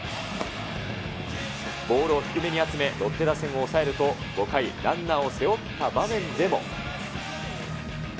ボールを低めに集め、ロッテ打線を抑えると、５回、ランナーを背負った場面でも。